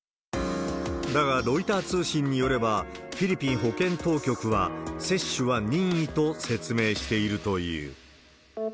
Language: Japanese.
だが、ロイター通信によれば、フィリピン保健当局は、接種は任意と説明しているという。